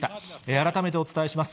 改めてお伝えします。